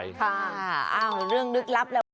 ค่ะอ้าวเรื่องลึกลับแล้ว